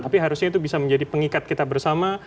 tapi harusnya itu bisa menjadi pengikat kita bersama